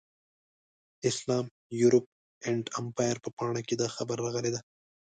اسلام، یورپ اینډ امپایر په پاڼه کې دا خبره راغلې ده.